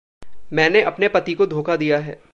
मैनें अपने पती को धोखा दिया है।